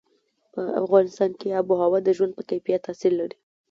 په افغانستان کې آب وهوا د ژوند په کیفیت تاثیر لري.